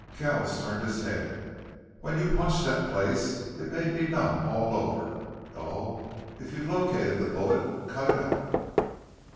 Kells turned his head. "When you punched that place it made me numb all over. Gul, if you've located the bullet, cut it out."